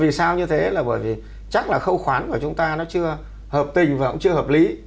vì sao như thế là bởi vì chắc là khâu khoán của chúng ta nó chưa hợp tình và cũng chưa hợp lý